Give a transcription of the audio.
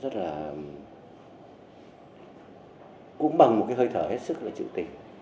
rất là cũng bằng một cái hơi thở hết sức là chịu tình